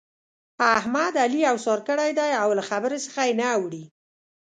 احمد؛ علي اوسار کړی دی او له خبرې څخه يې نه اوړي.